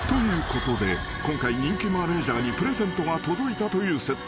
ことで今回人気マネジャーにプレゼントが届いたという設定］